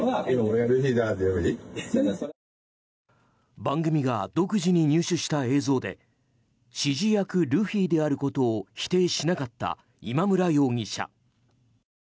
番組が独自に入手した映像で指示役ルフィであることを否定しなかった今村容疑者。